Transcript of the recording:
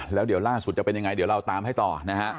แล้วเดี๋ยวล่าสุดจะเป็นยังไงเดี๋ยวเราตามให้ต่อนะฮะ